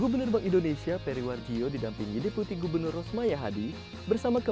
bank indonesia juga memiliki rangkaian kegiatan rakor pusdat di yogyakarta